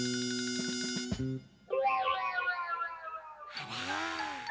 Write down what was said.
あら。